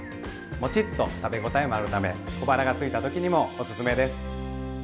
もちっと食べ応えもあるため小腹がすいた時にもおすすめです。